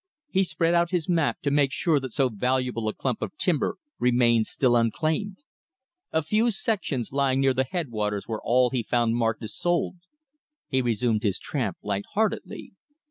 He spread out his map to make sure that so valuable a clump of timber remained still unclaimed. A few sections lying near the headwaters were all he found marked as sold. He resumed his tramp light heartedly.